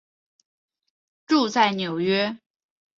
住在纽约。